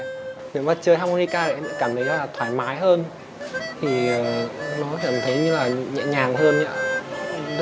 nếu mà chơi harmonica cảm thấy là thoải mái hơn thì nó cảm thấy như là nhẹ nhàng hơn nhá